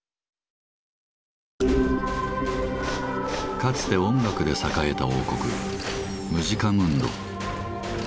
かつて音楽で栄えた王国「ムジカムンド」。